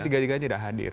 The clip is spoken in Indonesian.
tiga tiga tiga tidak hadir